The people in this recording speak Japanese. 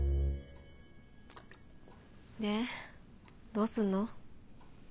どうすんの？